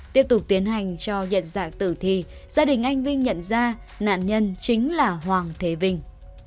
tiếp tục tiến hành cho nhận dạng tử thi gia đình anh vinh nhận ra nạn nhân chính là hoàng thế vinh